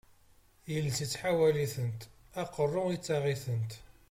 Iles ittḥawal-itent, aqerru yettaɣ-itent.